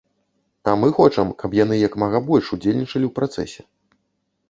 А мы хочам, каб яны як мага больш ўдзельнічалі ў працэсе.